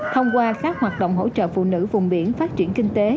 thông qua các hoạt động hỗ trợ phụ nữ vùng biển phát triển kinh tế